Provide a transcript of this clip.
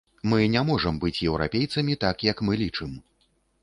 Мы не можам быць еўрапейцамі так, як мы лічым.